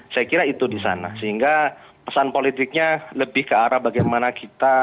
saya kira itu di sana sehingga pesan politiknya lebih ke arah bagaimana kita